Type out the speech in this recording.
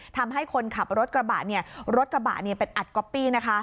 ทำให้คนขับรถกระบะรถกระบะเป็นอัดก๊อปปี้นะคะ